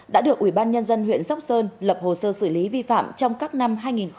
đã được ubnd huyện sắp sơn lập hồ sơ xử lý vi phạm trong các năm hai nghìn một mươi bảy hai nghìn một mươi tám